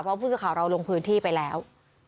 เพราะผู้สื่อข่าวเราลงพื้นที่ไปแล้ว